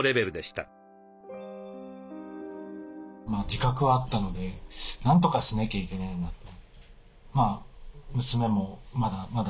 自覚はあったのでなんとかしなきゃいけないなと。